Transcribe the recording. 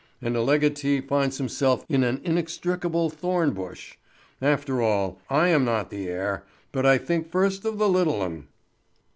And a legatee finds himself in an inextricable thorn bush. After all, I am not the heir—but I think first of the little 'un."